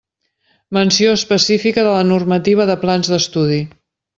Menció específica de la normativa de plans d'estudi.